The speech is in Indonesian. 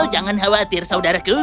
oh jangan khawatir saudaraku